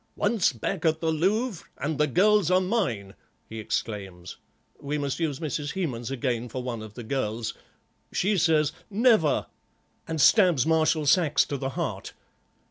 'Once back at the Louvre and the girls are mine,' he exclaims. We must use Mrs. Hemans again for one of the girls; she says 'Never,' and stabs Marshal Saxe to the heart."